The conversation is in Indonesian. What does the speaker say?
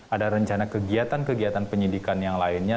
ada rencana kegiatan kegiatan penyidikan yang lainnya